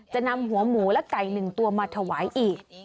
จะนำหัวหมูและไก่๑ตัวมาถวายอีก